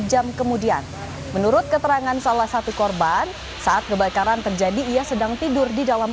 jam kemudian menurut keterangan salah satu korban saat kebakaran terjadi ia sedang tidur di dalam